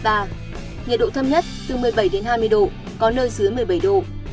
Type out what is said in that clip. nhiệt độ thâm nhất từ một mươi bảy hai mươi độ có nơi dưới một mươi bảy độ